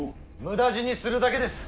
無駄死にするだけです。